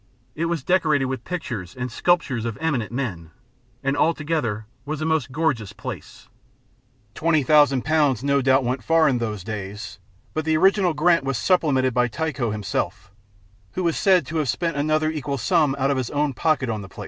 It was decorated with pictures and sculptures of eminent men, and altogether was a most gorgeous place. £20,000 no doubt went far in those days, but the original grant was supplemented by Tycho himself, who is said to have spent another equal sum out of his own pocket on the place.